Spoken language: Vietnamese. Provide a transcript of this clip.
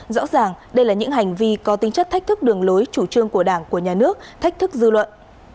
rõ ràng đây là những hành vi có tính chất thách thức đường lối chủ trương của đảng của nhà nước thách thức dư luận